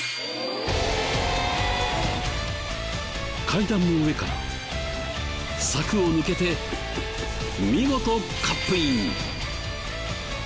階段の上から柵を抜けて見事カップイン！